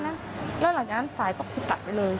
แล้วหลังจากนั้นสายตกคลี่ตัดเลย